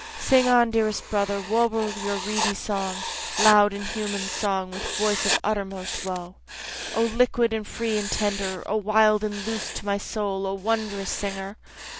Sing on dearest brother, warble your reedy song, Loud human song, with voice of uttermost woe. O liquid and free and tender! O wild and loose to my soul O wondrous singer!